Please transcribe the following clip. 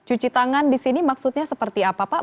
cuci tangan disini maksudnya seperti apa pak